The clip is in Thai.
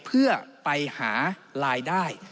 เพื่อไปหารายได้